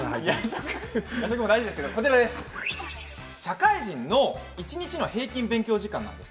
これは社会人の一日の平均勉強時間です。